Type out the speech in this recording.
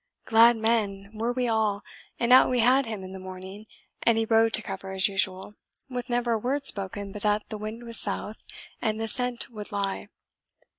Glad men were we all, and out we had him in the morning, and he rode to cover as usual, with never a word spoken but that the wind was south, and the scent would lie.